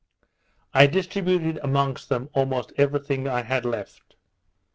I distributed amongst them almost every thing I had left.